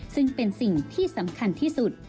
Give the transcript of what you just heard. ซึ่งเป็นสิ่งที่สำคัญที่สุด